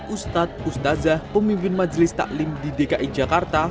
ustadz ustazah pemimpin majelis taklim di dki jakarta